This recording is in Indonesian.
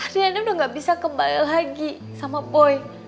riana udah gak bisa kembali lagi sama boy